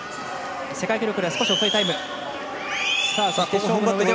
世界記録より少し遅いタイム。